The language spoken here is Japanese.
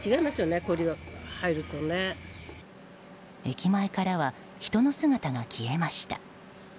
駅前からは人の姿が消えました。